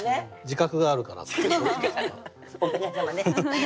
自覚があるからってこと。